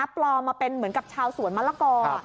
ปลอมมาเป็นเหมือนกับชาวสวนมะละกอ